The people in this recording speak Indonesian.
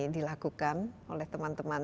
dilakukan oleh teman teman